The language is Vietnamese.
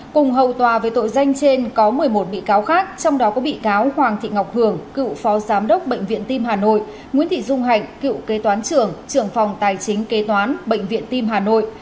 cùng hầu tòa về tội danh trên có một mươi một bị cáo khác trong đó có bị cáo hoàng thị ngọc hường cựu phó giám đốc bệnh viện tim hà nội nguyễn thị dung hạnh cựu kế toán trưởng trưởng phòng tài chính kế toán bệnh viện tim hà nội